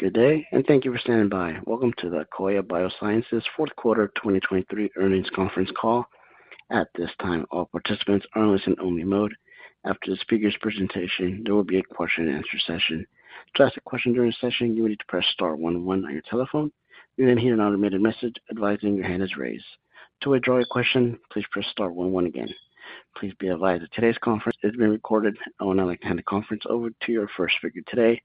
Good day, and thank you for standing by. Welcome to the Akoya Biosciences Fourth Quarter 2023 Earnings Conference Call. At this time, all participants are in listen-only mode. After the speaker's presentation, there will be a question-and-answer session. To ask a question during the session, you will need to press star one one on your telephone, and then hear an automated message advising your hand is raised. To withdraw your question, please press star one one again. Please be advised that today's conference is being recorded. I would now like to hand the conference over to your first speaker today,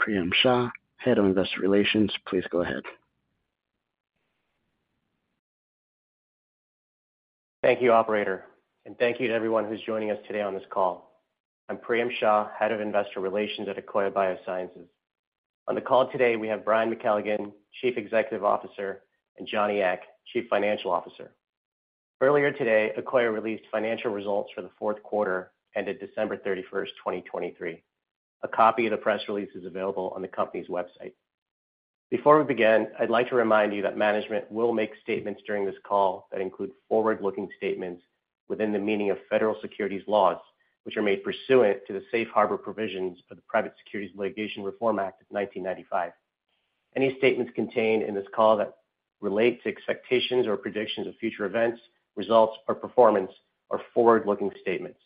Priyam Shah, Head of Investor Relations. Please go ahead. Thank you, Operator, and thank you to everyone who's joining us today on this call. I'm Priyam Shah, Head of Investor Relations at Akoya Biosciences. On the call today, we have Brian McKelligon, Chief Executive Officer, and Johnny Ek, Chief Financial Officer. Earlier today, Akoya released financial results for the fourth quarter ended December 31st, 2023. A copy of the press release is available on the company's website. Before we begin, I'd like to remind you that management will make statements during this call that include forward-looking statements within the meaning of federal securities laws, which are made pursuant to the Safe Harbor provisions of the Private Securities Litigation Reform Act of 1995. Any statements contained in this call that relate to expectations or predictions of future events, results, or performance are forward-looking statements.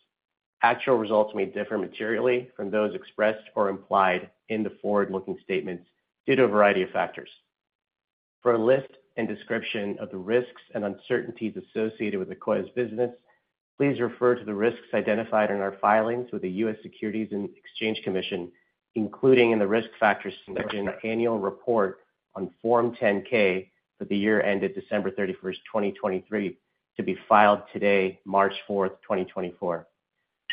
Actual results may differ materially from those expressed or implied in the forward-looking statements due to a variety of factors. For a list and description of the risks and uncertainties associated with Akoya's business, please refer to the risks identified in our filings with the U.S. Securities and Exchange Commission, including in the Risk Factors Section annual report on Form 10-K for the year ended December 31st, 2023, to be filed today, March 4th, 2024.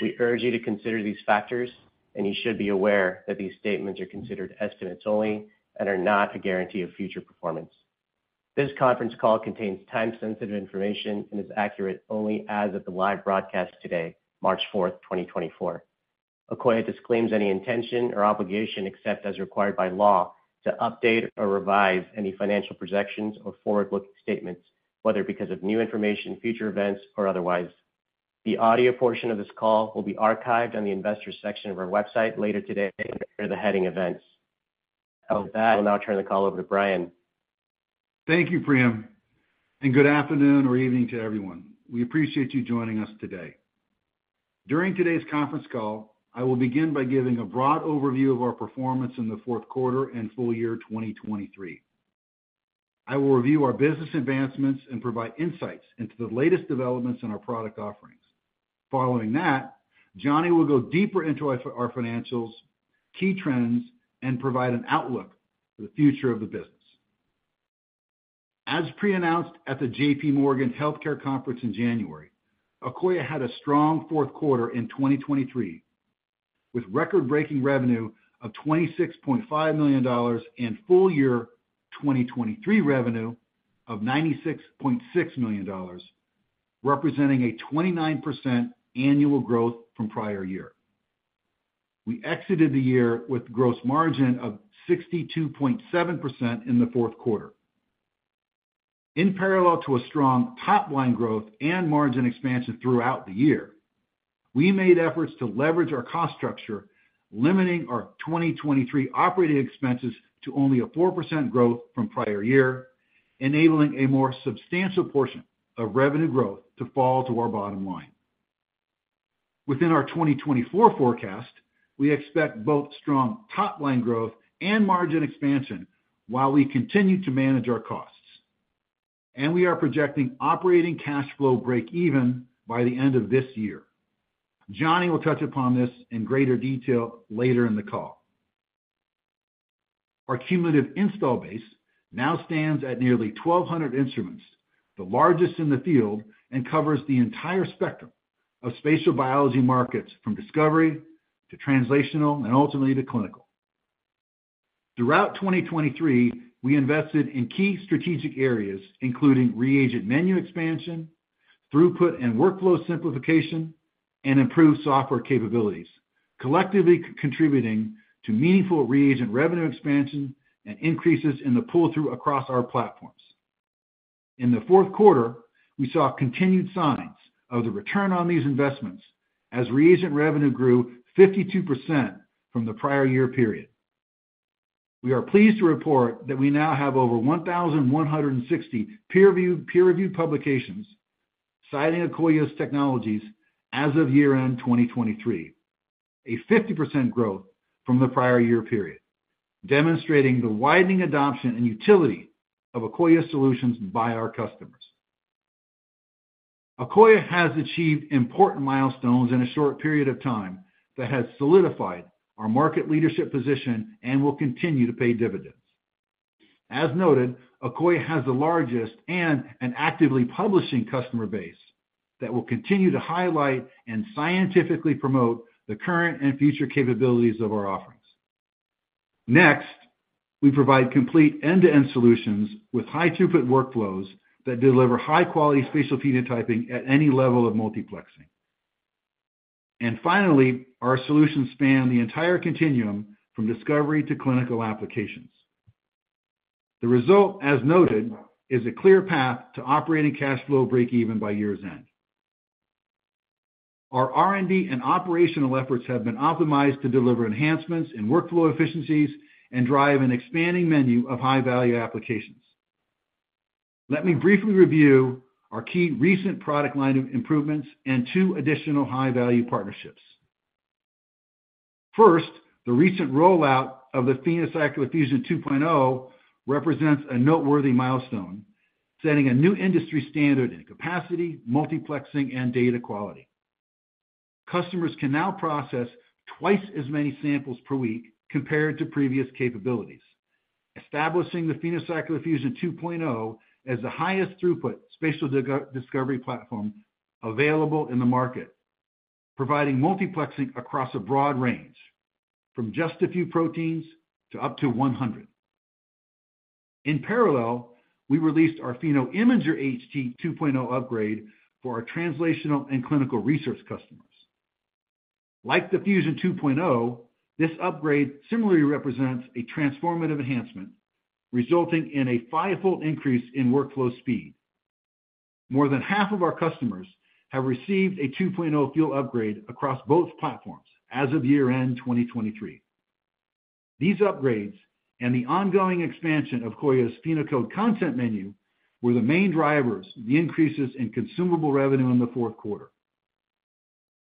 We urge you to consider these factors, and you should be aware that these statements are considered estimates only and are not a guarantee of future performance. This conference call contains time-sensitive information and is accurate only as of the live broadcast today, March 4th, 2024. Akoya disclaims any intention or obligation except as required by law to update or revise any financial projections or forward-looking statements, whether because of new information, future events, or otherwise. The audio portion of this call will be archived on the Investors section of our website later today under the heading Events. With that, I will now turn the call over to Brian. Thank you, Priyam, and good afternoon or evening to everyone. We appreciate you joining us today. During today's conference call, I will begin by giving a broad overview of our performance in the fourth quarter and full year 2023. I will review our business advancements and provide insights into the latest developments in our product offerings. Following that, Johnny will go deeper into our financials, key trends, and provide an outlook for the future of the business. As pre-announced at the J.P. Morgan Healthcare Conference in January. Akoya had a strong fourth quarter in 2023 with record-breaking revenue of $26.5 million and full year 2023 revenue of $96.6 million, representing a 29% annual growth from prior year. We exited the year with gross margin of 62.7% in the fourth quarter. In parallel to a strong top-line growth and margin expansion throughout the year, we made efforts to leverage our cost structure, limiting our 2023 operating expenses to only a 4% growth from prior year, enabling a more substantial portion of revenue growth to fall to our bottom line. Within our 2024 forecast, we expect both strong top-line growth and margin expansion while we continue to manage our costs. We are projecting operating cash flow break-even by the end of this year. Johnny will touch upon this in greater detail later in the call. Our cumulative install base now stands at nearly 1,200 instruments, the largest in the field, and covers the entire spectrum of spatial biology markets from discovery to translational and ultimately to clinical. Throughout 2023, we invested in key strategic areas including reagent menu expansion, throughput and workflow simplification, and improved software capabilities, collectively contributing to meaningful reagent revenue expansion and increases in the pull-through across our platforms. In the fourth quarter, we saw continued signs of the return on these investments as reagent revenue grew 52% from the prior year period. We are pleased to report that we now have over 1,160 peer-reviewed publications citing Akoya's technologies as of year-end 2023, a 50% growth from the prior year period, demonstrating the widening adoption and utility of Akoya Solutions by our customers. Akoya has achieved important milestones in a short period of time that has solidified our market leadership position and will continue to pay dividends. As noted, Akoya has the largest and an actively publishing customer base that will continue to highlight and scientifically promote the current and future capabilities of our offerings. Next, we provide complete end-to-end solutions with high-throughput workflows that deliver high-quality spatial phenotyping at any level of multiplexing. Finally, our solutions span the entire continuum from discovery to clinical applications. The result, as noted, is a clear path to operating cash flow break-even by year's end. Our R&D and operational efforts have been optimized to deliver enhancements in workflow efficiencies and drive an expanding menu of high-value applications. Let me briefly review our key recent product line of improvements and two additional high-value partnerships. First, the recent rollout of the PhenoCycler-Fusion 2.0 represents a noteworthy milestone, setting a new industry standard in capacity, multiplexing, and data quality. Customers can now process twice as many samples per week compared to previous capabilities, establishing the PhenoCycler-Fusion 2.0 as the highest throughput spatial discovery platform available in the market, providing multiplexing across a broad range from just a few proteins to up to 100. In parallel, we released our PhenoImager HT 2.0 upgrade for our translational and clinical research customers. Like the Fusion 2.0, this upgrade similarly represents a transformative enhancement, resulting in a five-fold increase in workflow speed. More than half of our customers have received a 2.0 full upgrade across both platforms as of year-end 2023. These upgrades and the ongoing expansion of Akoya's PhenoCode content menu were the main drivers of the increases in consumable revenue in the fourth quarter.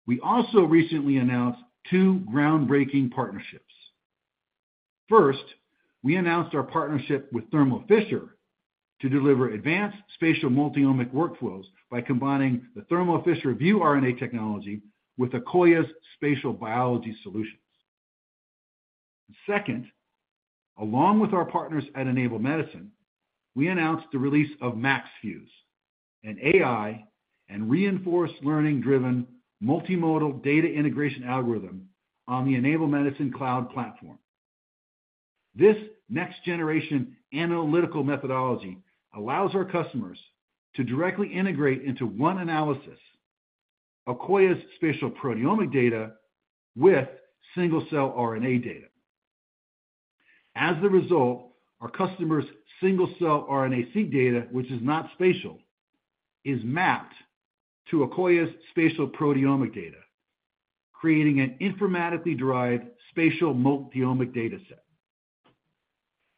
We also recently announced two groundbreaking partnerships. First, we announced our partnership with Thermo Fisher to deliver advanced spatial multiomic workflows by combining the Thermo Fisher ViewRNA technology with Akoya's spatial biology solutions. Second, along with our partners at Enable Medicine, we announced the release of MaxFuse, an AI and reinforcement learning-driven multimodal data integration algorithm on the Enable Medicine Cloud platform. This next-generation analytical methodology allows our customers to directly integrate into one analysis Akoya's spatial proteomic data with single-cell RNA data. As a result, our customers' single-cell RNA-seq data, which is not spatial, is mapped to Akoya's spatial proteomic data, creating an informatically derived spatial multiomic dataset.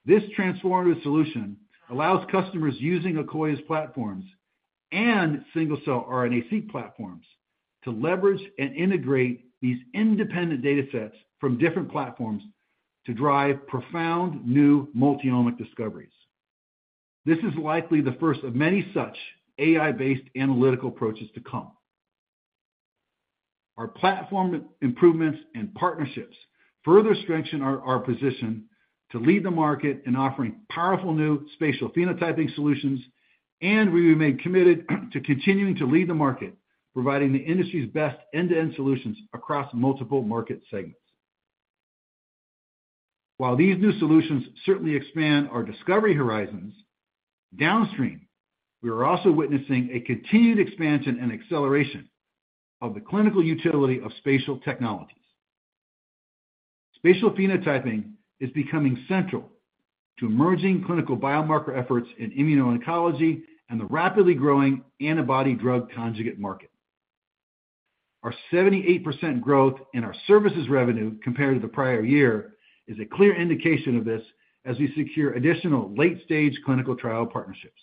This transformative solution allows customers using Akoya's platforms and single-cell RNA-seq platforms to leverage and integrate these independent datasets from different platforms to drive profound new multiomic discoveries. This is likely the first of many such AI-based analytical approaches to come. Our platform improvements and partnerships further strengthen our position to lead the market in offering powerful new spatial phenotyping solutions, and we remain committed to continuing to lead the market providing the industry's best end-to-end solutions across multiple market segments. While these new solutions certainly expand our discovery horizons, downstream, we are also witnessing a continued expansion and acceleration of the clinical utility of spatial technologies. Spatial phenotyping is becoming central to emerging clinical biomarker efforts in immuno-oncology and the rapidly growing antibody-drug conjugate market. Our 78% growth in our services revenue compared to the prior year is a clear indication of this as we secure additional late-stage clinical trial partnerships.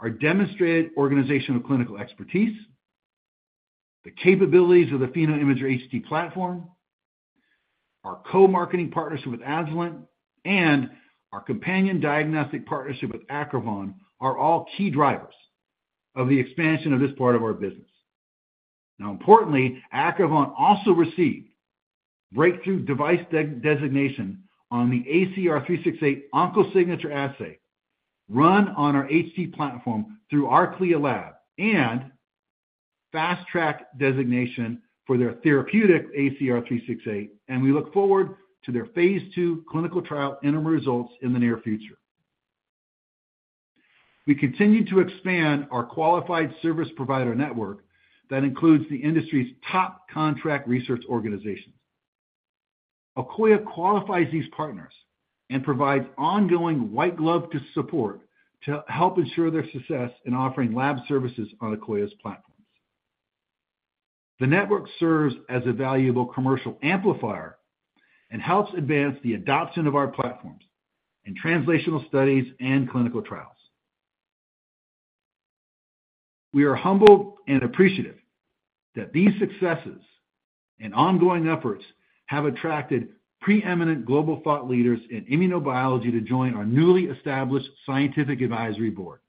Our demonstrated organizational clinical expertise, the capabilities of the PhenoImager HT platform, our co-marketing partnership with Agilent, and our companion diagnostic partnership with Acrivon are all key drivers of the expansion of this part of our business. Now, importantly, Acrivon also received breakthrough device designation on the ACR-368 OncoSignature assay run on our HT platform through our CLIA lab and fast-track designation for their therapeutic ACR-368, and we look forward to their phase II clinical trial interim results in the near future. We continue to expand our qualified service provider network that includes the industry's top contract research organizations. Akoya qualifies these partners and provides ongoing white-glove support to help ensure their success in offering lab services on Akoya's platforms. The network serves as a valuable commercial amplifier and helps advance the adoption of our platforms in translational studies and clinical trials. We are humbled and appreciative that these successes and ongoing efforts have attracted preeminent global thought leaders in immunobiology to join our newly established scientific advisory board.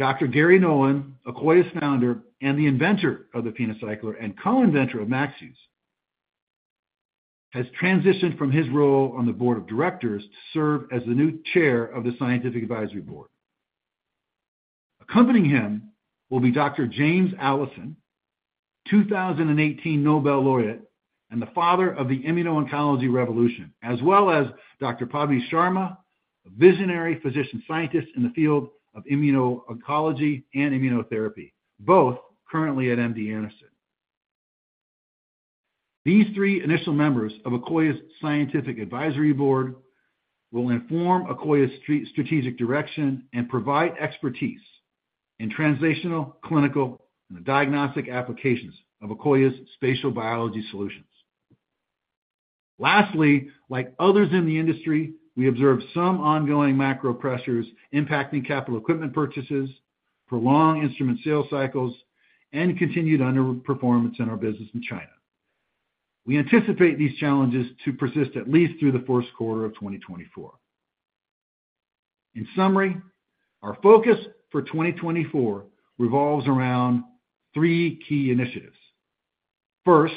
Dr. Garry Nolan, Akoya's founder and the inventor of the PhenoCycler and co-inventor of MaxFuse, has transitioned from his role on the board of directors to serve as the new chair of the scientific advisory board. Accompanying him will be Dr. James Allison, 2018 Nobel Laureate and the father of the immuno-oncology revolution, as well as Dr. Padmanee Sharma, a visionary physician-scientist in the field of immuno-oncology and immunotherapy, both currently at MD Anderson. These three initial members of Akoya's scientific advisory board will inform Akoya's strategic direction and provide expertise in translational, clinical, and diagnostic applications of Akoya's spatial biology solutions. Lastly, like others in the industry, we observe some ongoing macro pressures impacting capital equipment purchases, prolonged instrument sale cycles, and continued underperformance in our business in China. We anticipate these challenges to persist at least through the fourth quarter of 2024. In summary, our focus for 2024 revolves around three key initiatives. First,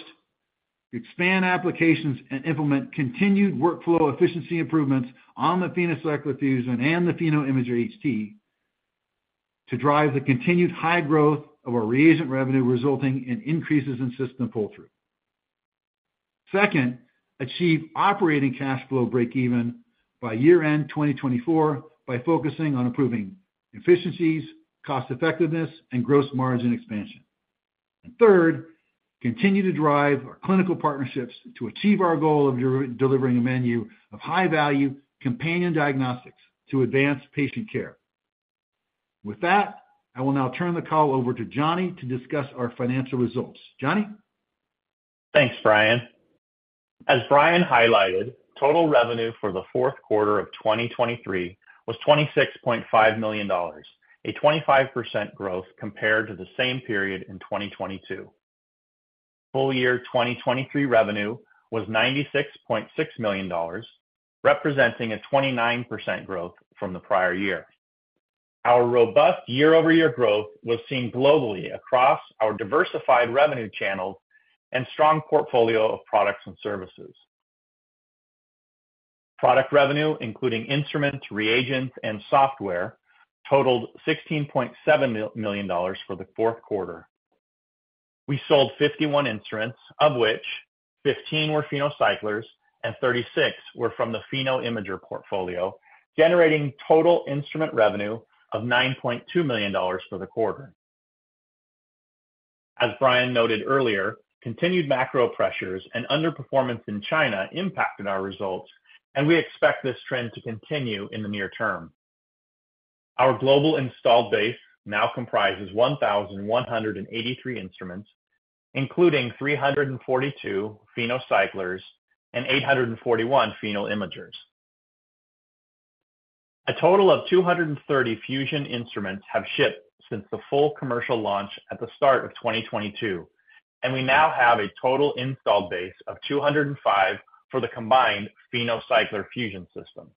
expand applications and implement continued workflow efficiency improvements on the PhenoCycler-Fusion and the PhenoImager HT to drive the continued high growth of our reagent revenue, resulting in increases in system pull-through. Second, achieve operating cash flow break-even by year-end 2024 by focusing on improving efficiencies, cost-effectiveness, and gross margin expansion. Third, continue to drive our clinical partnerships to achieve our goal of delivering a menu of high-value companion diagnostics to advance patient care. With that, I will now turn the call over to Johnny to discuss our financial results. Johnny? Thanks, Brian. As Brian highlighted, total revenue for the fourth quarter of 2023 was $26.5 million, a 25% growth compared to the same period in 2022. Full year 2023 revenue was $96.6 million, representing a 29% growth from the prior year. Our robust year-over-year growth was seen globally across our diversified revenue channels and strong portfolio of products and services. Product revenue, including instruments, reagents, and software, totaled $16.7 million for the fourth quarter. We sold 51 instruments, of which 15 were PhenoCyclers and 36 were from the PhenoImager portfolio, generating total instrument revenue of $9.2 million for the quarter. As Brian noted earlier, continued macro pressures and underperformance in China impacted our results, and we expect this trend to continue in the near term. Our global installed base now comprises 1,183 instruments, including 342 PhenoCyclers and 841 PhenoImagers. A total of 230 Fusion instruments have shipped since the full commercial launch at the start of 2022, and we now have a total installed base of 205 for the combined PhenoCycler-Fusion system.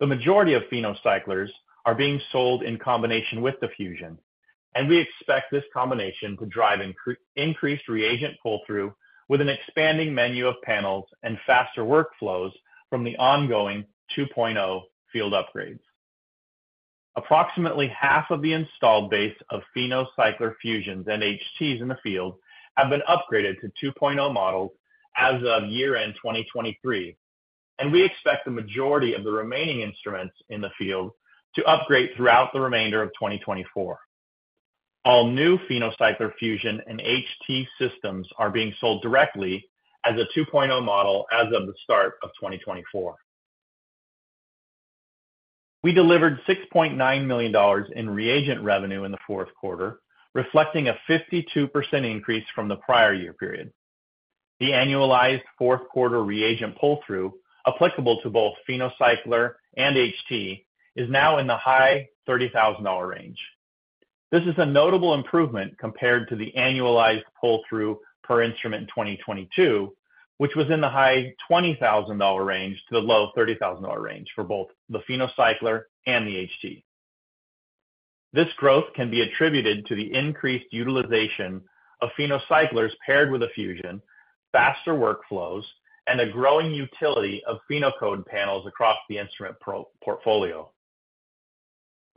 The majority of PhenoCyclers are being sold in combination with the Fusion, and we expect this combination to drive increased reagent pull-through with an expanding menu of panels and faster workflows from the ongoing 2.0 field upgrades. Approximately half of the installed base of PhenoCycler-Fusions and HTs in the field have been upgraded to 2.0 models as of year-end 2023, and we expect the majority of the remaining instruments in the field to upgrade throughout the remainder of 2024. All new PhenoCycler-Fusion and HT systems are being sold directly as a 2.0 model as of the start of 2024. We delivered $6.9 million in reagent revenue in the fourth quarter, reflecting a 52% increase from the prior year period. The annualized fourth quarter reagent pull-through applicable to both PhenoCycler and HT is now in the high $30,000 range. This is a notable improvement compared to the annualized pull-through per instrument in 2022, which was in the high $20,000-$30,000 range for both the PhenoCycler and the HT. This growth can be attributed to the increased utilization of PhenoCyclers paired with a Fusion, faster workflows, and a growing utility of PhenoCode panels across the instrument portfolio.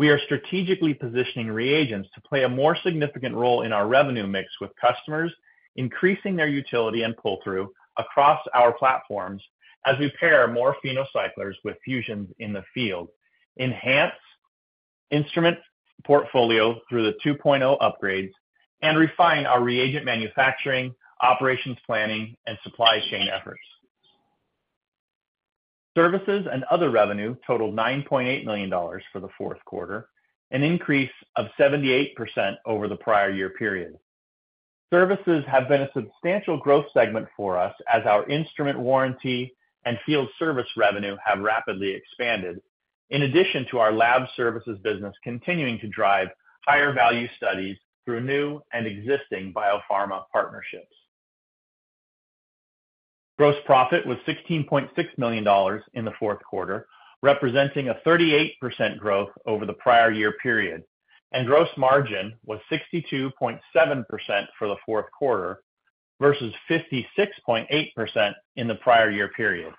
We are strategically positioning reagents to play a more significant role in our revenue mix with customers, increasing their utility and pull-through across our platforms as we pair more PhenoCyclers with Fusions in the field, enhance instrument portfolio through the 2.0 upgrades, and refine our reagent manufacturing, operations planning, and supply chain efforts. Services and other revenue totaled $9.8 million for the fourth quarter, an increase of 78% over the prior year period. Services have been a substantial growth segment for us as our instrument warranty and field service revenue have rapidly expanded, in addition to our lab services business continuing to drive higher-value studies through new and existing biopharma partnerships. Gross profit was $16.6 million in the fourth quarter, representing a 38% growth over the prior year period, and gross margin was 62.7% for the fourth quarter versus 56.8% in the prior year period.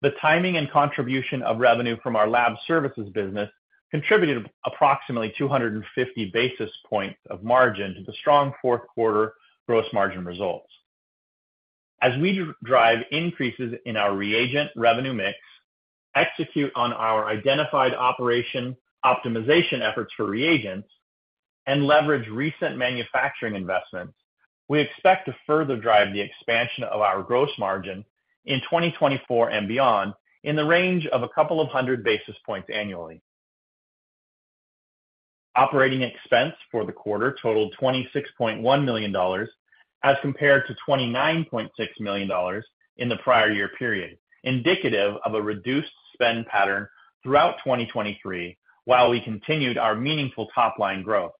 The timing and contribution of revenue from our lab services business contributed approximately 250 basis points of margin to the strong fourth quarter gross margin results. As we drive increases in our reagent revenue mix, execute on our identified operation optimization efforts for reagents, and leverage recent manufacturing investments, we expect to further drive the expansion of our gross margin in 2024 and beyond in the range of a couple of hundred basis points annually. Operating expense for the quarter totaled $26.1 million as compared to $29.6 million in the prior year period, indicative of a reduced spend pattern throughout 2023 while we continued our meaningful top-line growth.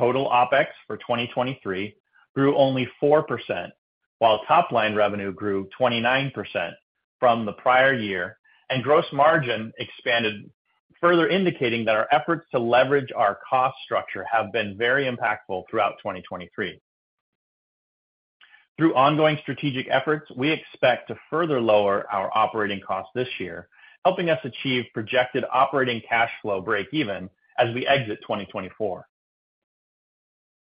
Total OPEX for 2023 grew only 4%, while top-line revenue grew 29% from the prior year, and gross margin expanded further, indicating that our efforts to leverage our cost structure have been very impactful throughout 2023. Through ongoing strategic efforts, we expect to further lower our operating costs this year, helping us achieve projected operating cash flow break-even as we exit 2024.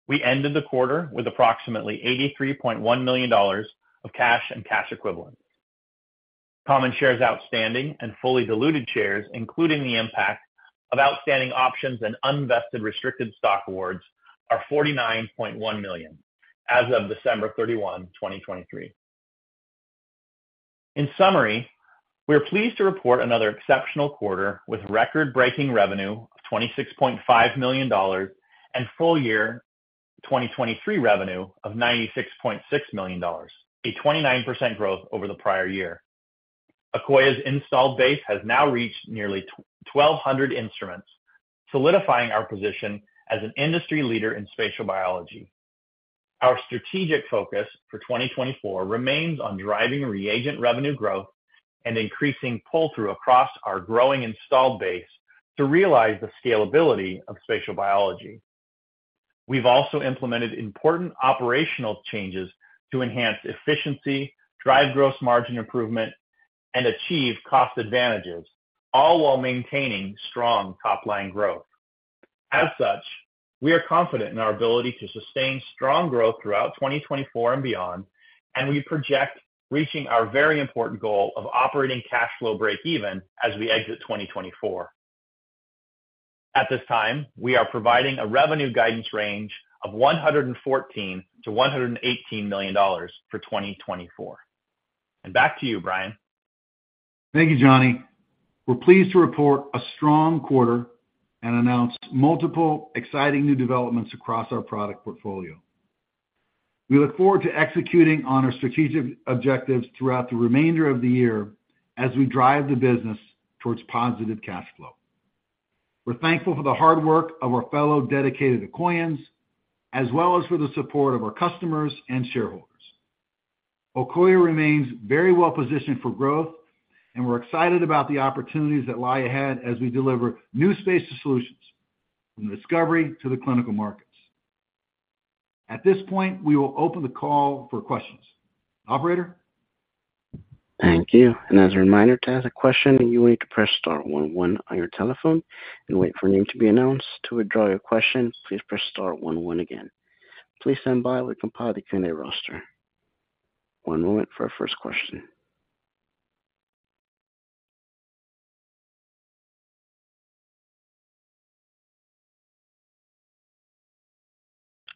We ended the quarter with approximately $83.1 million of cash and cash equivalents. Common shares outstanding and fully diluted shares, including the impact of outstanding options and unvested restricted stock awards, are 49.1 million as of December 31, 2023. In summary, we're pleased to report another exceptional quarter with record-breaking revenue of $26.5 million and full year 2023 revenue of $96.6 million, a 29% growth over the prior year. Akoya's installed base has now reached nearly 1,200 instruments, solidifying our position as an industry leader in spatial biology. Our strategic focus for 2024 remains on driving reagent revenue growth and increasing pull-through across our growing installed base to realize the scalability of spatial biology. We've also implemented important operational changes to enhance efficiency, drive gross margin improvement, and achieve cost advantages, all while maintaining strong top-line growth. As such, we are confident in our ability to sustain strong growth throughout 2024 and beyond, and we project reaching our very important goal of operating cash flow break-even as we exit 2024. At this time, we are providing a revenue guidance range of $114 million-$118 million for 2024. And back to you, Brian. Thank you, Johnny. We're pleased to report a strong quarter and announce multiple exciting new developments across our product portfolio. We look forward to executing on our strategic objectives throughout the remainder of the year as we drive the business towards positive cash flow. We're thankful for the hard work of our fellow dedicated Akoyans, as well as for the support of our customers and shareholders. Akoya remains very well positioned for growth, and we're excited about the opportunities that lie ahead as we deliver new spatial solutions, from the discovery to the clinical markets. At this point, we will open the call for questions. Operator? Thank you. And as a reminder, to ask a question, you will need to press star one one on your telephone and wait for a name to be announced. To withdraw your question, please press star one one again. Please stand by while we compile the Q and A roster. One moment for our first question.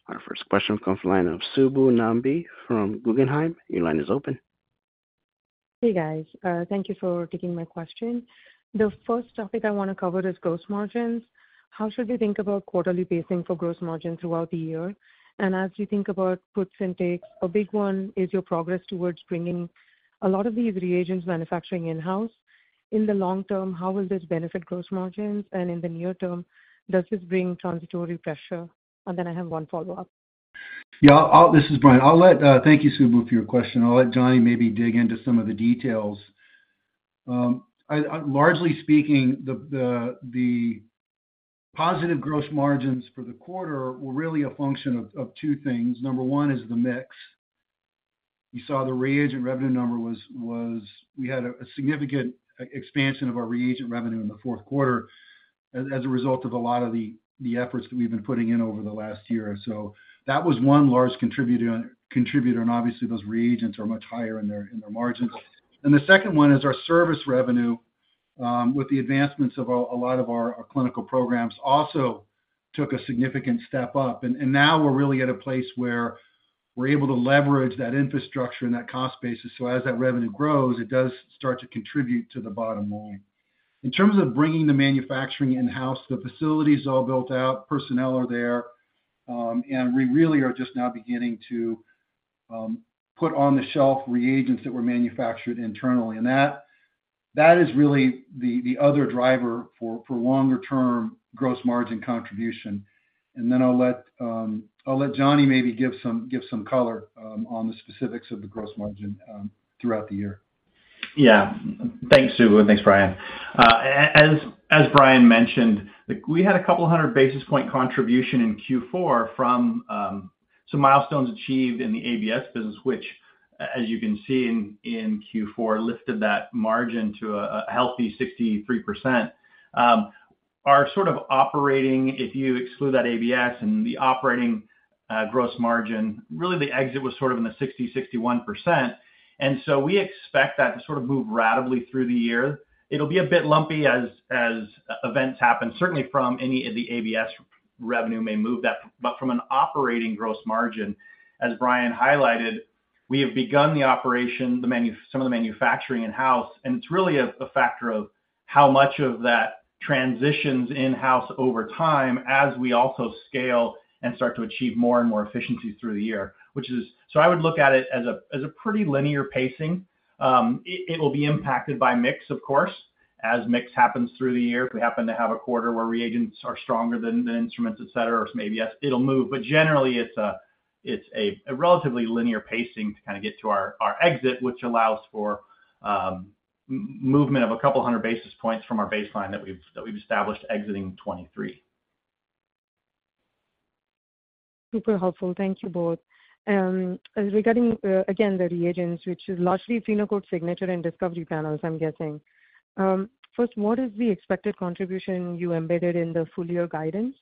Our first question comes from the line of Subbu Nambi from Guggenheim. Your line is open. Hey, guys. Thank you for taking my question. The first topic I want to cover is gross margins. How should we think about quarterly pacing for gross margin throughout the year? And as you think about puts and takes, a big one is your progress towards bringing a lot of these reagents manufacturing in-house. In the long term, how will this benefit gross margins? And in the near term, does this bring transitory pressure? And then I have one follow-up. Yeah, this is Brian. Thank you, Subbu, for your question. I'll let Johnny maybe dig into some of the details. Largely speaking, the positive gross margins for the quarter were really a function of two things. Number one is the mix. You saw the reagent revenue number was we had a significant expansion of our reagent revenue in the fourth quarter as a result of a lot of the efforts that we've been putting in over the last year. So that was one large contributor. And obviously, those reagents are much higher in their margins. And the second one is our service revenue, with the advancements of a lot of our clinical programs, also took a significant step up. And now we're really at a place where we're able to leverage that infrastructure and that cost basis. So as that revenue grows, it does start to contribute to the bottom line. In terms of bringing the manufacturing in-house, the facility is all built out. Personnel are there. And we really are just now beginning to put on the shelf reagents that were manufactured internally. That is really the other driver for longer-term gross margin contribution. Then I'll let Johnny maybe give some color on the specifics of the gross margin throughout the year. Yeah. Thanks, Subbu. And thanks, Brian. As Brian mentioned, we had a couple of hundred basis points contribution in Q4 from some milestones achieved in the ABS business, which, as you can see in Q4, lifted that margin to a healthy 63%. Our sort of operating, if you exclude that ABS, and the operating gross margin, really, the exit was sort of in the 60%-61%. And so we expect that to sort of move rapidly through the year. It'll be a bit lumpy as events happen, certainly from any of the ABS revenue may move that. But from an operating gross margin, as Brian highlighted, we have begun some of the manufacturing in-house. It's really a factor of how much of that transitions in-house over time as we also scale and start to achieve more and more efficiencies through the year, which is so I would look at it as a pretty linear pacing. It will be impacted by mix, of course, as mix happens through the year. If we happen to have a quarter where reagents are stronger than instruments, et cetera, or maybe yes, it'll move. But generally, it's a relatively linear pacing to kind of get to our exit, which allows for movement of a couple of hundred basis points from our baseline that we've established exiting 2023. Super helpful. Thank you both. Regarding, again, the reagents, which is largely PhenoCode Signature and Discovery panels, I'm guessing, first, what is the expected contribution you embedded in the full year guidance?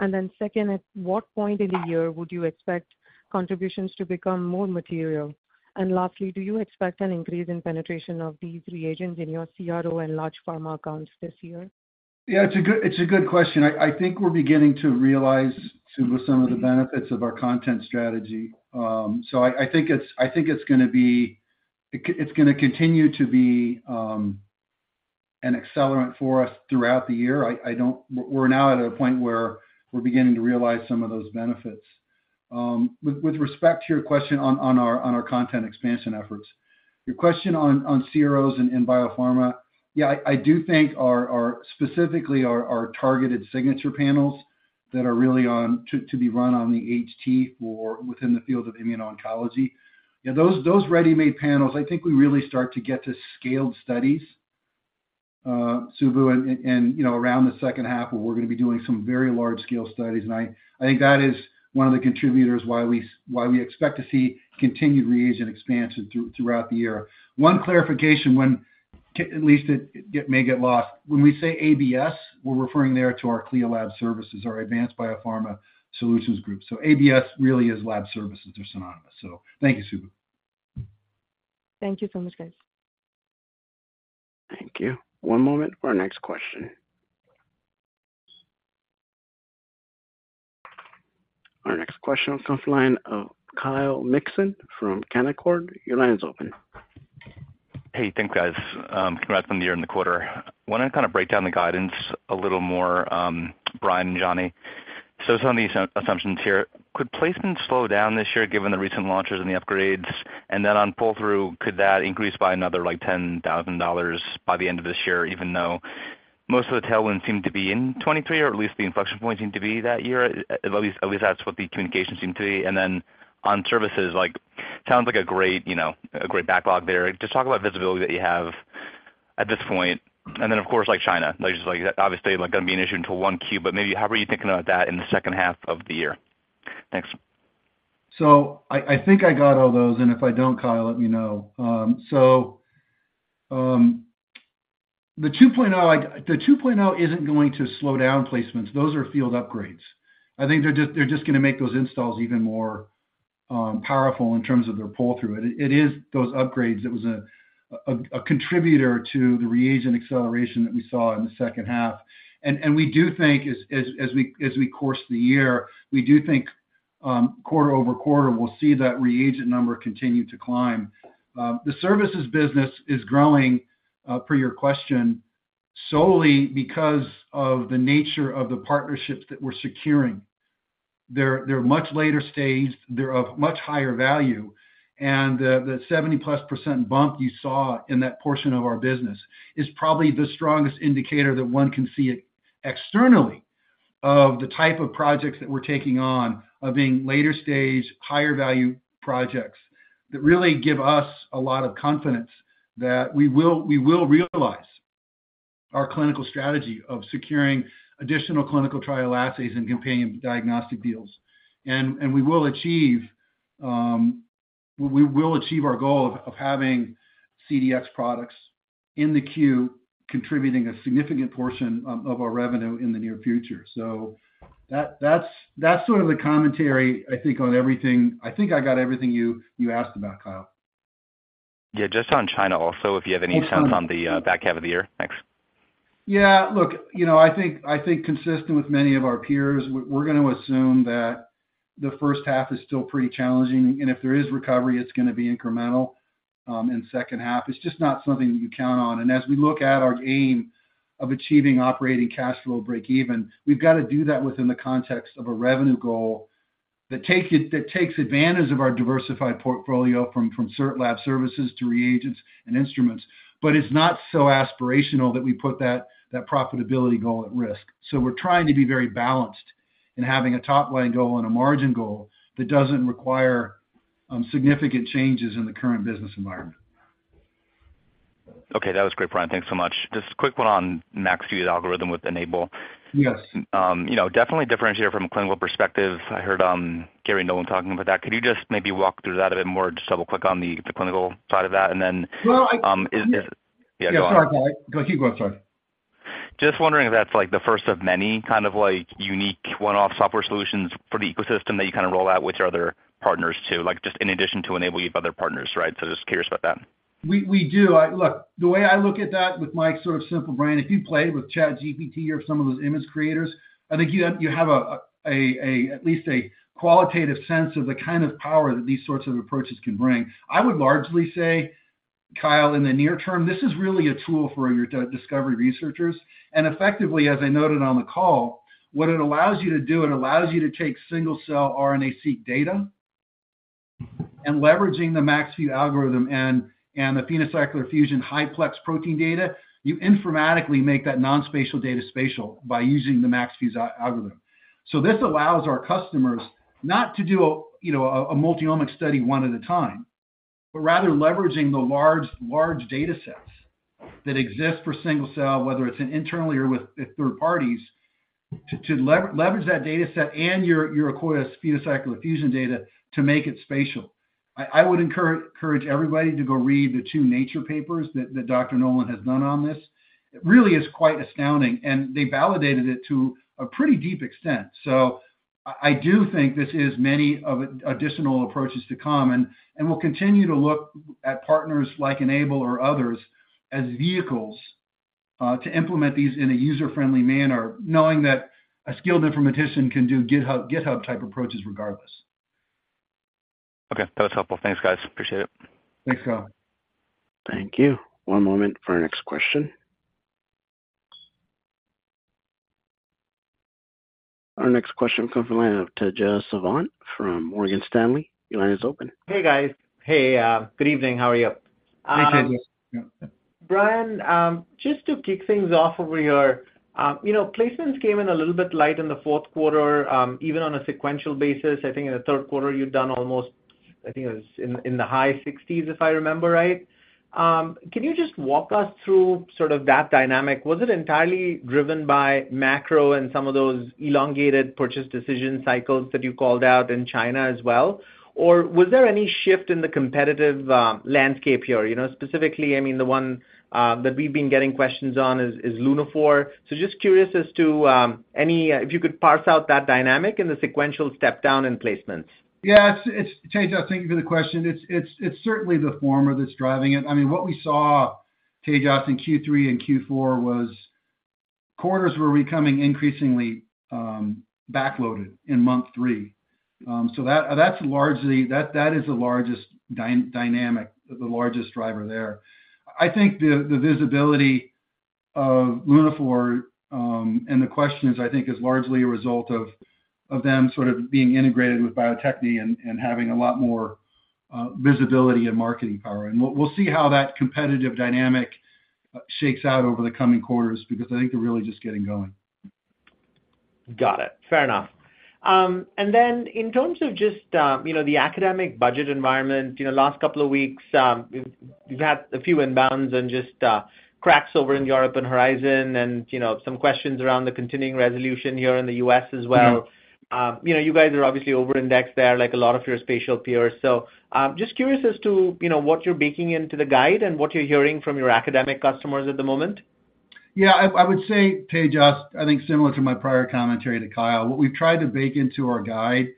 And then second, at what point in the year would you expect contributions to become more material? And lastly, do you expect an increase in penetration of these reagents in your CRO and large pharma accounts this year? Yeah, it's a good question. I think we're beginning to realize, Subbu, some of the benefits of our content strategy. So I think it's going to be it's going to continue to be an accelerant for us throughout the year. We're now at a point where we're beginning to realize some of those benefits. With respect to your question on our content expansion efforts, your question on CROs and biopharma, yeah, I do think specifically our targeted signature panels that are really to be run on the HT within the field of immuno-oncology, yeah, those ready-made panels, I think we really start to get to scaled studies, Subbu, and around the second half, we're going to be doing some very large-scale studies. And I think that is one of the contributors why we expect to see continued reagent expansion throughout the year. One clarification, at least it may get lost. When we say ABS, we're referring there to our CLIA Lab Services, our Advanced Biopharma Solutions Group. So ABS really is Lab Services. They're synonymous. So thank you, Subbu. Thank you so much, guys. Thank you. One moment for our next question. Our next question comes from the line of Kyle Mikson from Canaccord. Your line is open. Hey, thanks, guys. Congrats on the year and the quarter. Want to kind of break down the guidance a little more, Brian and Johnny. So some of the assumptions here, could placements slow down this year given the recent launches and the upgrades? And then on pull-through, could that increase by another like $10,000 by the end of this year, even though most of the tailwinds seem to be in 2023 or at least the inflection points seem to be that year? At least that's what the communication seemed to be. And then on services, it sounds like a great backlog there. Just talk about visibility that you have at this point. And then, of course, China. Obviously, going to be an issue until 1Q, but how are you thinking about that in the second half of the year? Thanks. So I think I got all those. And if I don't, Kyle, let me know. So the 2.0 isn't going to slow down placements. Those are field upgrades. I think they're just going to make those installs even more powerful in terms of their pull-through. It is those upgrades that was a contributor to the reagent acceleration that we saw in the second half. And we do think, as we course the year, we do think quarter-over-quarter, we'll see that reagent number continue to climb. The services business is growing, per your question, solely because of the nature of the partnerships that we're securing. They're much later staged. They're of much higher value. The 70%+ bump you saw in that portion of our business is probably the strongest indicator that one can see externally of the type of projects that we're taking on, of being later stage, higher value projects that really give us a lot of confidence that we will realize our clinical strategy of securing additional clinical trial assays and companion diagnostic deals. We will achieve our goal of having CDX products in the Q contributing a significant portion of our revenue in the near future. That's sort of the commentary, I think, on everything. I think I got everything you asked about, Kyle. Yeah, just on China also, if you have any sense on the back half of the year. Thanks. Yeah, look, I think consistent with many of our peers, we're going to assume that the first half is still pretty challenging. If there is recovery, it's going to be incremental in second half. It's just not something that you count on. As we look at our aim of achieving operating cash flow break-even, we've got to do that within the context of a revenue goal that takes advantage of our diversified portfolio from CLIA Lab Services to reagents and instruments. But it's not so aspirational that we put that profitability goal at risk. So we're trying to be very balanced in having a top-line goal and a margin goal that doesn't require significant changes in the current business environment. Okay, that was great, Brian. Thanks so much. Just a quick one on MaxFuse, the algorithm with Enable. Definitely differentiated from a clinical perspective. I heard Garry Nolan talking about that. Could you just maybe walk through that a bit more, just double-click on the clinical side of that? Then is yeah, go on. Yeah, sorry, Kyle. Go ahead. Keep going. Sorry. Just wondering if that's the first of many kind of unique one-off software solutions for the ecosystem that you kind of roll out with your other partners too, just in addition to Enable. You have other partners, right? So just curious about that. We do. Look, the way I look at that with my sort of simple brain, if you played with ChatGPT or some of those image creators, I think you have at least a qualitative sense of the kind of power that these sorts of approaches can bring. I would largely say, Kyle, in the near term, this is really a tool for your discovery researchers. Effectively, as I noted on the call, what it allows you to do, it allows you to take single-cell RNA-seq data and leveraging the MaxFuse algorithm and the PhenoCycler-Fusion high-plex protein data, you informatically make that non-spatial data spatial by using the MaxFuse algorithm. So this allows our customers not to do a multi-omic study one at a time, but rather leveraging the large datasets that exist for single-cell, whether it's internally or with third parties, to leverage that dataset and Akoya's PhenoCycler-Fusion data to make it spatial. I would encourage everybody to go read the two Nature papers that Dr. Nolan has done on this. It really is quite astounding. And they validated it to a pretty deep extent. So I do think this is many of additional approaches to come. We'll continue to look at partners like Enable or others as vehicles to implement these in a user-friendly manner, knowing that a skilled informatician can do GitHub-type approaches regardless. Okay, that was helpful. Thanks, guys. Appreciate it. Thanks, Kyle. Thank you. One moment for our next question. Our next question comes from the line of Tejas Savant from Morgan Stanley. Your line is open. Hey, guys. Hey. Good evening. How are you? Hey, Tejas. Brian, just to kick things off over here, placements came in a little bit light in the fourth quarter, even on a sequential basis. I think in the third quarter, you'd done almost. I think it was in the high 60s, if I remember right. Can you just walk us through sort of that dynamic? Was it entirely driven by macro and some of those elongated purchase decision cycles that you called out in China as well? Or was there any shift in the competitive landscape here? Specifically, I mean, the one that we've been getting questions on is Lunaphore. So just curious as to any if you could parse out that dynamic in the sequential step-down in placements. Yeah, Tejas, thank you for the question. It's certainly the former that's driving it. I mean, what we saw, Tejas, in Q3 and Q4 was quarters were becoming increasingly backloaded in month three. So that is the largest dynamic, the largest driver there. I think the visibility of Lunaphore and the questions, I think, is largely a result of them sort of being integrated with Bio-Techne and having a lot more visibility and marketing power. We'll see how that competitive dynamic shakes out over the coming quarters because I think they're really just getting going. Got it. Fair enough. Then in terms of just the academic budget environment, last couple of weeks, we've had a few imbalances and just cracks over in the European horizon and some questions around the continuing resolution here in the U.S. as well. You guys are obviously over-indexed there, like a lot of your spatial peers. So just curious as to what you're baking into the guide and what you're hearing from your academic customers at the moment. Yeah, I would say, Tejas, I think similar to my prior commentary to Kyle, what we've tried to bake into our guide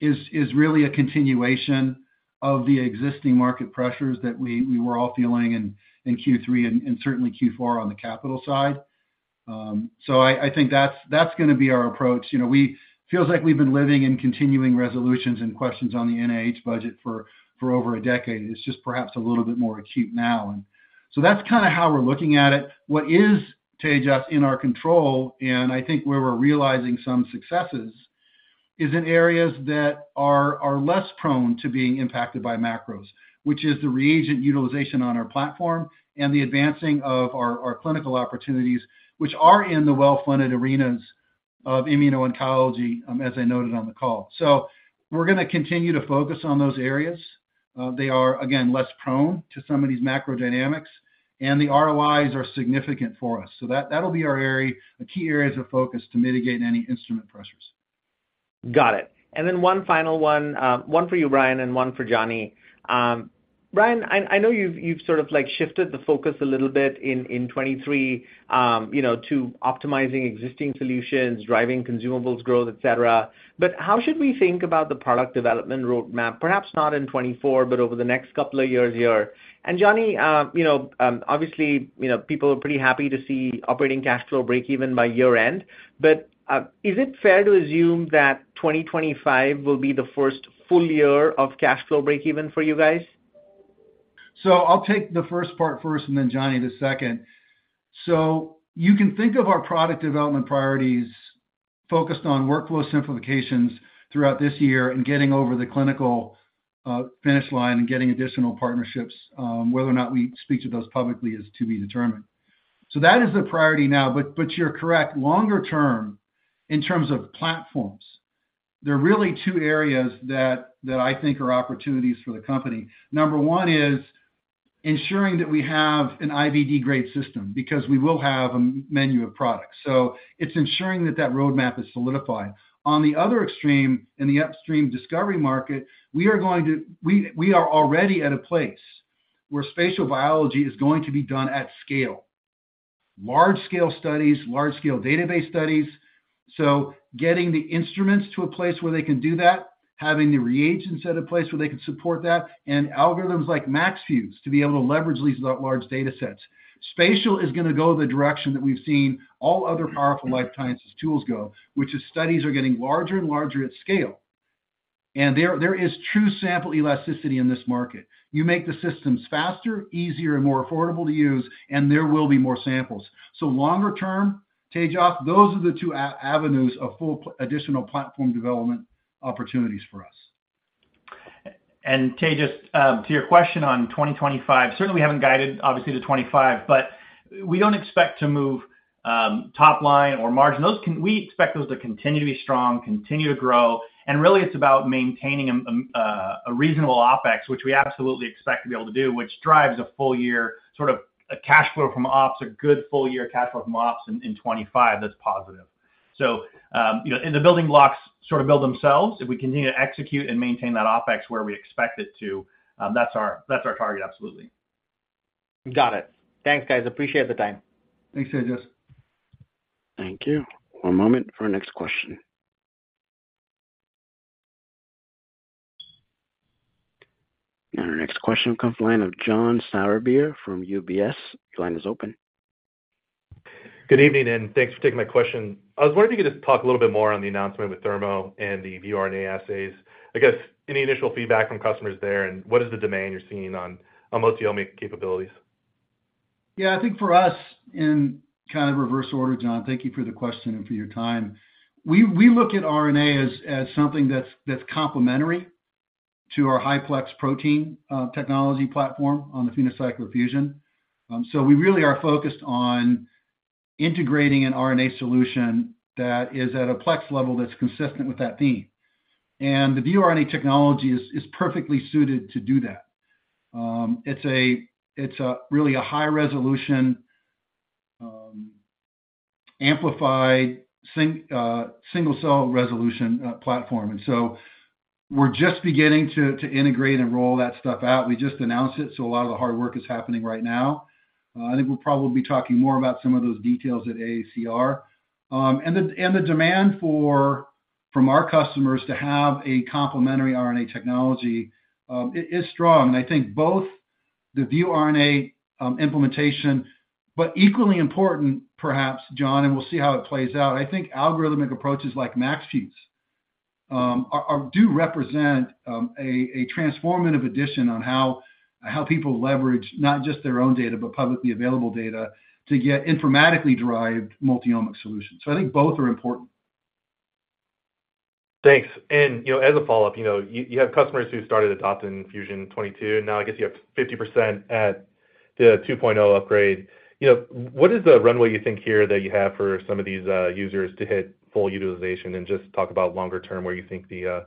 is really a continuation of the existing market pressures that we were all feeling in Q3 and certainly Q4 on the capital side. So I think that's going to be our approach. It feels like we've been living in continuing resolutions and questions on the NIH budget for over a decade. It's just perhaps a little bit more acute now. And so that's kind of how we're looking at it. What is, Tejas, in our control and I think where we're realizing some successes is in areas that are less prone to being impacted by macros, which is the reagent utilization on our platform and the advancing of our clinical opportunities, which are in the well-funded arenas of immuno-oncology, as I noted on the call. So we're going to continue to focus on those areas. They are, again, less prone to some of these macrodynamics. And the ROIs are significant for us. So that'll be a key area of focus to mitigate any instrument pressures. Got it. And then one final one, one for you, Brian, and one for Johnny. Brian, I know you've sort of shifted the focus a little bit in 2023 to optimizing existing solutions, driving consumables growth, etc. But how should we think about the product development roadmap, perhaps not in 2024, but over the next couple of years here? And Johnny, obviously, people are pretty happy to see operating cash flow break-even by year-end. But is it fair to assume that 2025 will be the first full year of cash flow break-even for you guys? So I'll take the first part first and then Johnny, the second. So you can think of our product development priorities focused on workflow simplifications throughout this year and getting over the clinical finish line and getting additional partnerships. Whether or not we speak to those publicly is to be determined. So that is the priority now. But you're correct. Longer term, in terms of platforms, there are really two areas that I think are opportunities for the company. Number one is ensuring that we have an IVD-grade system because we will have a menu of products. So it's ensuring that that roadmap is solidified. On the other extreme, in the upstream discovery market, we are already at a place where spatial biology is going to be done at scale, large scale studies, large scale database studies. So getting the instruments to a place where they can do that, having the reagents at a place where they can support that, and algorithms like MaxFuse to be able to leverage these large datasets. Spatial is going to go the direction that we've seen all other powerful life sciences tools go, which is studies are getting larger and larger at scale. There is true sample elasticity in this market. You make the systems faster, easier, and more affordable to use, and there will be more samples. So longer term, Tejas, those are the two avenues of additional platform development opportunities for us. And Tejas, to your question on 2025, certainly, we haven't guided, obviously, to 2025, but we don't expect to move top-line or margin. We expect those to continue to be strong, continue to grow. And really, it's about maintaining a reasonable OpEx, which we absolutely expect to be able to do, which drives a full year sort of cash flow from ops, a good full-year cash flow from ops in 2025 that's positive. So the building blocks sort of build themselves. If we continue to execute and maintain that OpEx where we expect it to, that's our target, absolutely. Got it. Thanks, guys. Appreciate the time. Thanks, Tejas. Thank you. One moment for our next question. Our next question comes from the line of John Sourbeer from UBS. Your line is open. Good evening, and thanks for taking my question. I was wondering if you could just talk a little bit more on the announcement with Thermo and the ViewRNA assays. I guess any initial feedback from customers there? And what is the demand you're seeing on multi-omic capabilities? Yeah, I think for us, in kind of reverse order, John, thank you for the question and for your time. We look at RNA as something that's complementary to our high-plex protein technology platform on the PhenoCycler-Fusion. So we really are focused on integrating an RNA solution that is at a plex level that's consistent with that theme. And the ViewRNA technology is perfectly suited to do that. It's really a high-resolution, amplified single-cell resolution platform. So we're just beginning to integrate and roll that stuff out. We just announced it, so a lot of the hard work is happening right now. I think we'll probably be talking more about some of those details at AACR. And the demand from our customers to have a complementary RNA technology is strong. And I think both the ViewRNA implementation, but equally important, perhaps, John, and we'll see how it plays out, I think algorithmic approaches like MaxFuse do represent a transformative addition on how people leverage not just their own data, but publicly available data to get informatically driven multi-omic solutions. So I think both are important. Thanks. And as a follow-up, you have customers who started adopting Fusion 2.0. Now, I guess you have 50% at the 2.0 upgrade. What is the runway you think here that you have for some of these users to hit full utilization? And just talk about longer term where you think the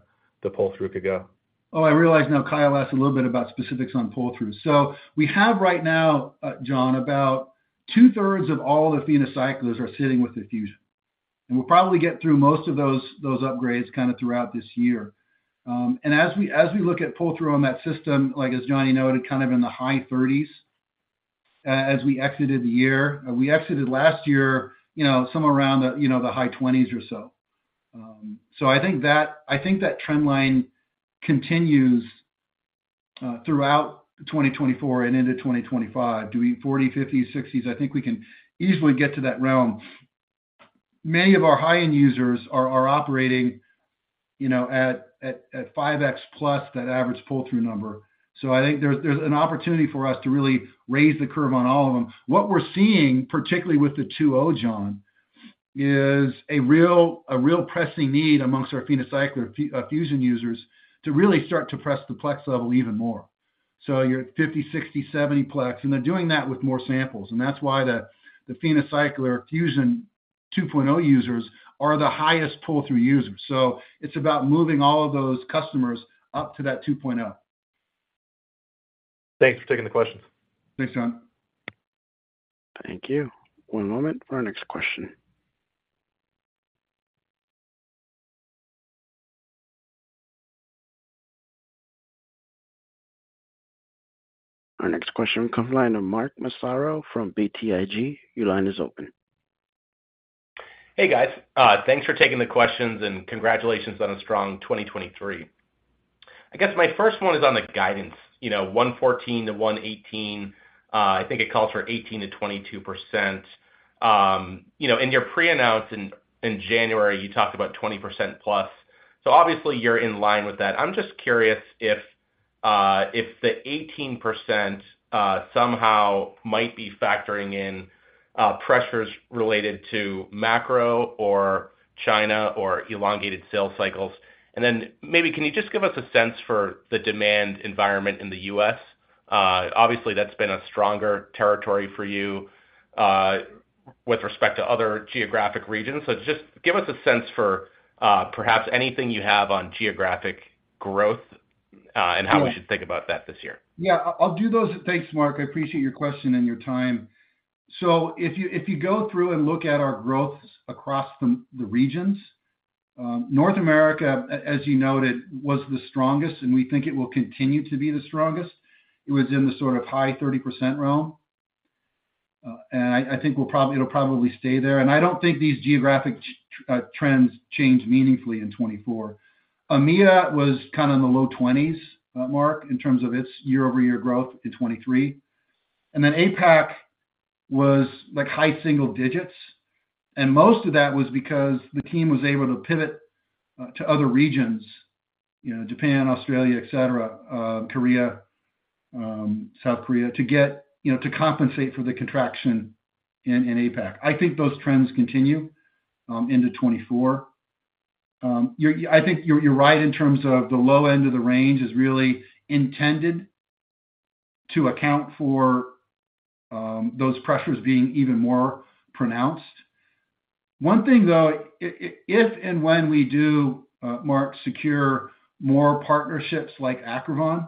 pull-through could go. Oh, I realize now Kyle asked a little bit about specifics on pull-through. So we have right now, Johnny, about 2/3 of all the PhenoCyclers are sitting with the Fusion. And we'll probably get through most of those upgrades kind of throughout this year. And as we look at pull-through on that system, as Johnny noted, kind of in the high 30s as we exited the year. We exited last year somewhere around the high 20s or so. So I think that trendline continues throughout 2024 and into 2025. Do we 40s, 50s, 60s? I think we can easily get to that realm. Many of our high-end users are operating at 5x plus, that average pull-through number. So I think there's an opportunity for us to really raise the curve on all of them. What we're seeing, particularly with the 2.0, John, is a real pressing need amongst our PhenoCycler-Fusion users to really start to press the plex level even more. So you're at 50, 60, 70 plex. And they're doing that with more samples. And that's why the PhenoCycler-Fusion 2.0 users are the highest pull-through users. So it's about moving all of those customers up to that 2.0. Thanks for taking the questions. Thanks, John. Thank you. One moment for our next question. Our next question comes from the line of Mark Massaro from BTIG. Your line is open. Hey, guys. Thanks for taking the questions, and congratulations on a strong 2023. I guess my first one is on the guidance, $114-$118. I think it calls for 18%-22%. In your pre-announce in January, you talked about 20%+. So obviously, you're in line with that. I'm just curious if the 18% somehow might be factoring in pressures related to macro or China or elongated sales cycles. And then maybe can you just give us a sense for the demand environment in the U.S.? Obviously, that's been a stronger territory for you with respect to other geographic regions. So just give us a sense for perhaps anything you have on geographic growth and how we should think about that this year. Yeah, I'll do those. Thanks, Mark. I appreciate your question and your time. So if you go through and look at our growths across the regions, North America, as you noted, was the strongest, and we think it will continue to be the strongest. It was in the sort of high 30% realm. And I think it'll probably stay there. And I don't think these geographic trends change meaningfully in 2024. EMEA was kind of in the low 20s, Mark, in terms of its year-over-year growth in 2023. And then APAC was high single digits. And most of that was because the team was able to pivot to other regions, Japan, Australia, et cetera, Korea, South Korea, to compensate for the contraction in APAC. I think those trends continue into 2024. I think you're right in terms of the low end of the range is really intended to account for those pressures being even more pronounced. One thing, though, if and when we do, Mark, secure more partnerships like Acrivon,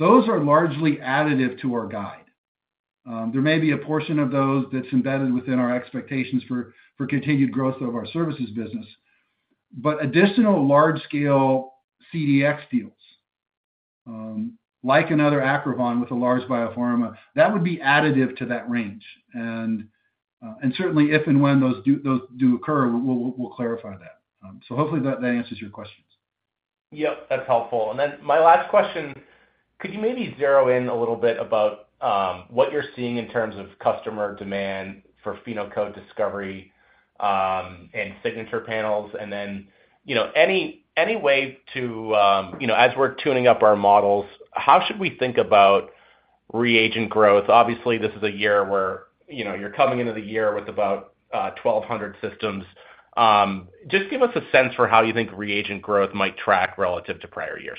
those are largely additive to our guide. There may be a portion of those that's embedded within our expectations for continued growth of our services business. But additional large-scale CDx deals, like another Acrivon with a large biopharma, that would be additive to that range. And certainly, if and when those do occur, we'll clarify that. So hopefully, that answers your questions. Yep, that's helpful. And then my last question, could you maybe zero in a little bit about what you're seeing in terms of customer demand for PhenoCode discovery and signature panels? And then any way to as we're tuning up our models, how should we think about reagent growth? Obviously, this is a year where you're coming into the year with about 1,200 systems. Just give us a sense for how you think reagent growth might track relative to prior years.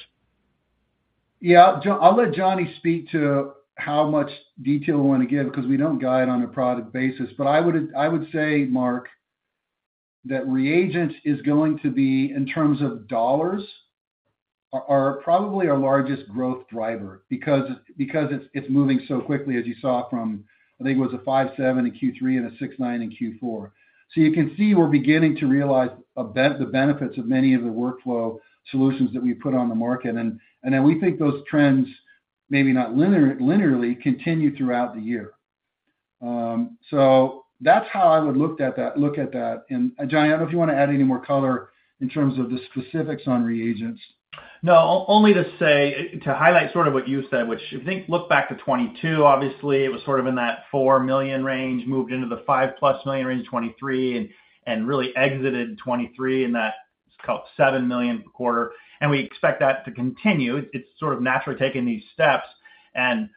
Yeah, I'll let Johnny speak to how much detail we want to give because we don't guide on a product basis. But I would say, Mark, that reagents is going to be, in terms of dollars, probably our largest growth driver because it's moving so quickly, as you saw from, I think it was a 5.7% in Q3 and a 6.9% in Q4. So you can see we're beginning to realize the benefits of many of the workflow solutions that we put on the market. And then we think those trends, maybe not linearly, continue throughout the year. So that's how I would look at that. And Johnny, I don't know if you want to add any more color in terms of the specifics on reagents. No, only to highlight sort of what you said, which if you think look back to 2022, obviously, it was sort of in that $4 million range, moved into the $5+ million range 2023, and really exited 2023 in that $7 million per quarter. We expect that to continue. It's sort of naturally taking these steps and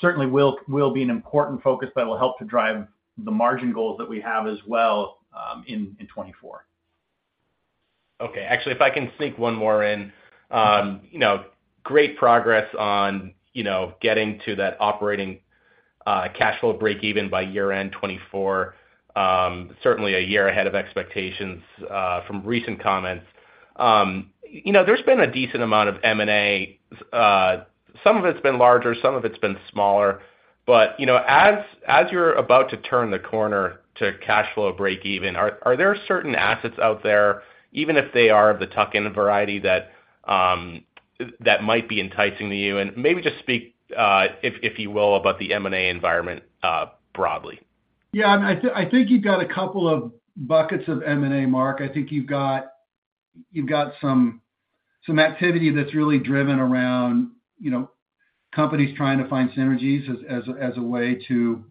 certainly will be an important focus that will help to drive the margin goals that we have as well in 2024. Okay. Actually, if I can sneak one more in, great progress on getting to that operating cash flow break-even by year end 2024, certainly a year ahead of expectations from recent comments. There's been a decent amount of M&A. Some of it's been larger. Some of it's been smaller. As you're about to turn the corner to cash flow break-even, are there certain assets out there, even if they are of the tuck-in variety, that might be enticing to you? Maybe just speak, if you will, about the M&A environment broadly. Yeah, I mean, I think you've got a couple of buckets of M&A, Mark. I think you've got some activity that's really driven around companies trying to find synergies as a way to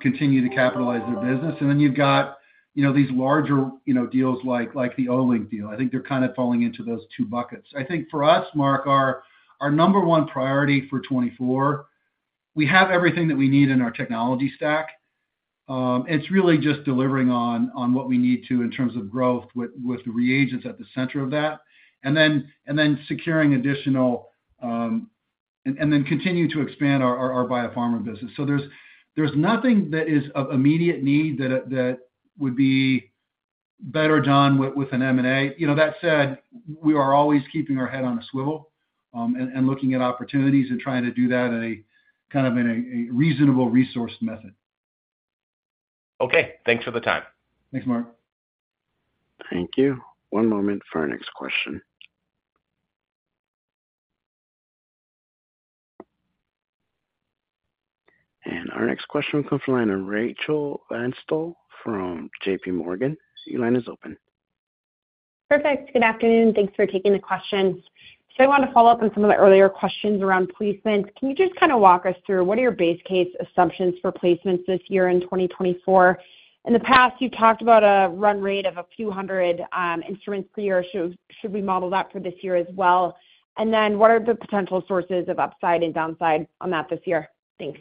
continue to capitalize their business. And then you've got these larger deals like the Olink deal. I think they're kind of falling into those two buckets. I think for us, Mark, our number one priority for 2024, we have everything that we need in our technology stack. It's really just delivering on what we need to in terms of growth with the reagents at the center of that, and then securing additional and then continue to expand our biopharma business. So there's nothing that is of immediate need that would be better, done with an M&A. That said, we are always keeping our head on a swivel and looking at opportunities and trying to do that kind of in a reasonable resource method. Okay. Thanks for the time. Thanks, Mark. Thank you. One moment for our next question. And our next question comes from the line of Rachel Vatnsdal from J.P. Morgan.Your line is open. Perfect. Good afternoon. Thanks for taking the questions. So I want to follow up on some of the earlier questions around placements. Can you just kind of walk us through what are your base case assumptions for placements this year in 2024? In the past, you've talked about a run rate of a few hundred instruments per year. Should we model that for this year as well? And then what are the potential sources of upside and downside on that this year? Thanks.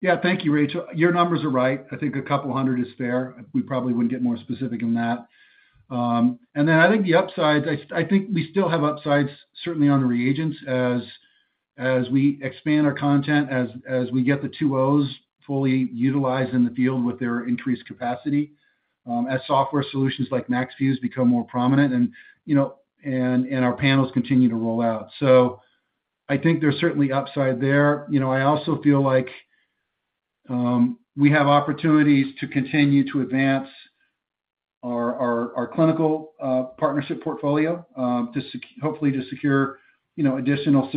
Yeah, thank you, Rachel. Your numbers are right. I think a couple hundred is fair. We probably wouldn't get more specific than that. And then I think the upsides I think we still have upsides, certainly on the reagents, as we expand our content, as we get the 2.0s fully utilized in the field with their increased capacity, as software solutions like MaxFuse become more prominent, and our panels continue to roll out. So I think there's certainly upside there. I also feel like we have opportunities to continue to advance our clinical partnership portfolio, hopefully to secure additional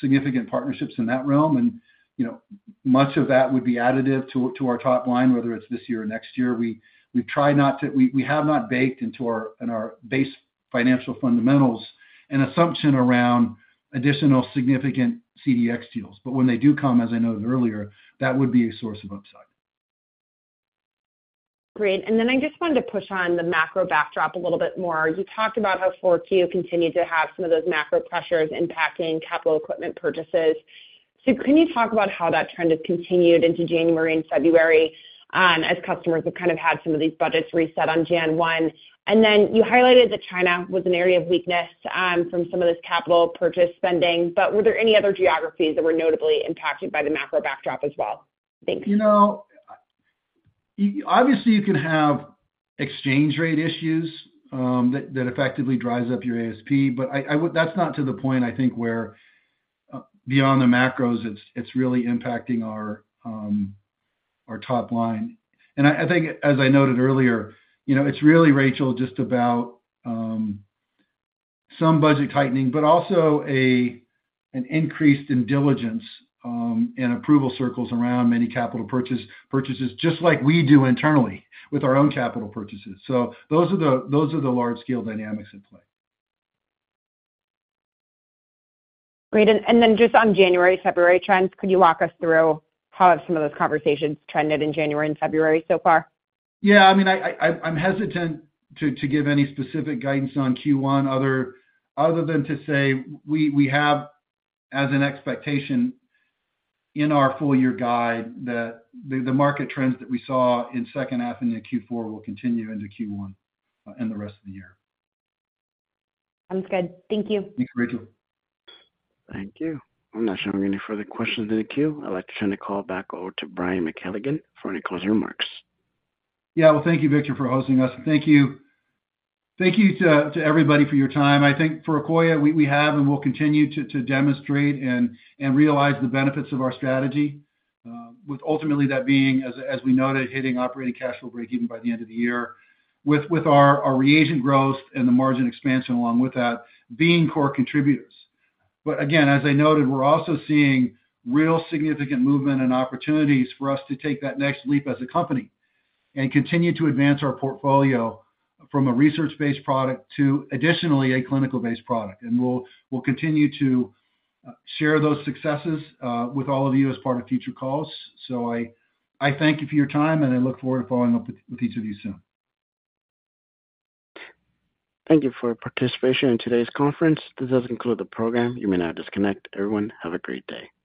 significant partnerships in that realm. And much of that would be additive to our top line, whether it's this year or next year. We've tried not to we have not baked into our base financial fundamentals an assumption around additional significant CDx deals. But when they do come, as I noted earlier, that would be a source of upside. Great. Then I just wanted to push on the macro backdrop a little bit more. You talked about how 4Q continued to have some of those macro pressures impacting capital equipment purchases. Can you talk about how that trend has continued into January and February as customers have kind of had some of these budgets reset on January 1? Then you highlighted that China was an area of weakness from some of this capital purchase spending. Were there any other geographies that were notably impacted by the macro backdrop as well? Thanks. Obviously, you can have exchange rate issues that effectively drive up your ASP. That's not to the point, I think, where beyond the macros, it's really impacting our top line. I think, as I noted earlier, it's really, Rachel, just about some budget tightening, but also an increase in diligence and approval circles around many capital purchases, just like we do internally with our own capital purchases. So those are the large-scale dynamics at play. Great. Then just on January, February trends, could you walk us through how some of those conversations trended in January and February so far? Yeah, I mean, I'm hesitant to give any specific guidance on Q1 other than to say we have, as an expectation in our full-year guide, that the market trends that we saw in second half and in Q4 will continue into Q1 and the rest of the year. Sounds good. Thank you. Thanks, Rachel. Thank you. I'm not showing any further questions in the queue. I'd like to turn the call back over to Brian McKelligon for any closing remarks. Yeah, well, thank you, Victor, for hosting us. Thank you to everybody for your time. I think for Akoya, we have and will continue to demonstrate and realize the benefits of our strategy, ultimately that being, as we noted, hitting operating cash flow break-even by the end of the year, with our reagent growth and the margin expansion along with that, being core contributors. But again, as I noted, we're also seeing real significant movement and opportunities for us to take that next leap as a company and continue to advance our portfolio from a research-based product to additionally a clinical-based product. We'll continue to share those successes with all of you as part of future calls. I thank you for your time, and I look forward to following up with each of you soon. Thank you for participation in today's conference. This does conclude the program. You may now disconnect. Everyone, have a great day.